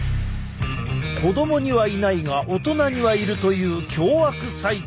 子どもにはいないが大人にはいるという凶悪細菌。